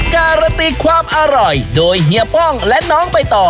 การันตีความอร่อยโดยเฮียป้องและน้องใบต่อ